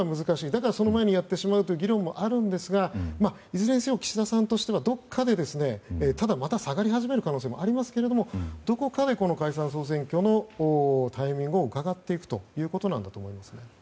なので、その前にやってしまうという議論もあるんですがいずれにせよ岸田さんとしてはどっかで、ただまた下がり始める可能性もありますけど、どこかで解散・総選挙のタイミングをうかがっていくということだと思います。